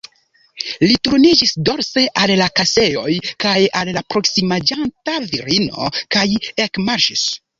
Li turniĝis dorse al la kasejoj kaj al la proksimiĝanta virino, kaj ekmarŝis.